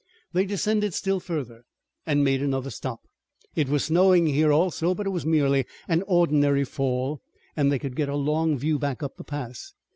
They descended still further, and made another stop. It was snowing here also, but it was merely an ordinary fall, and they could get a long view back up the pass.